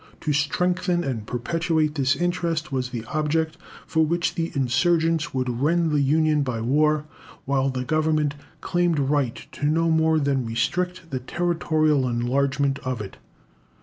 To strengthen and perpetuate this interest was the object for which the insurgents would rend the Union by war, while the Government claimed right to no more than restrict the territorial enlargement of it....